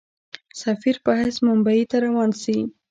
سفیر په حیث بمبیی ته روان سي.